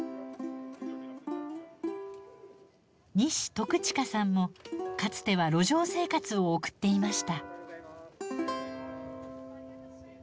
西篤近さんもかつては路上生活を送っていました。